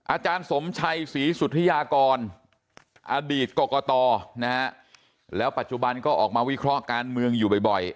อาจารย์สมชัยศรีสุธิยากรอดีตกรกตนะฮะแล้วปัจจุบันก็ออกมาวิเคราะห์การเมืองอยู่บ่อย